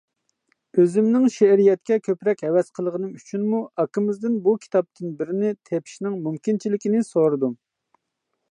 ئۆزۈمنىڭ شېئىرىيەتكە كۆپرەك ھەۋەس قىلغىنىم ئۈچۈنمۇ ئاكىمىزدىن بۇ كىتابتىن بىرنى تېپىشنىڭ مۇمكىنچىلىكىنى سورۇدۇم.